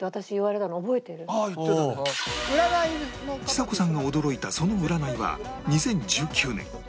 ちさ子さんが驚いたその占いは２０１９年